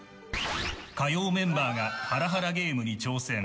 火曜メンバーがハラハラゲームに挑戦。